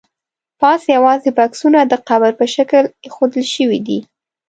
پاس یوازې بکسونه د قبر په شکل ایښودل شوي دي.